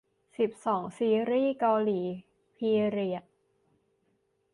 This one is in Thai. สิบสอง ซีรีส์เกาหลีพีเรียด